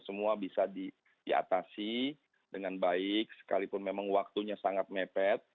semua bisa diatasi dengan baik sekalipun memang waktunya sangat mepet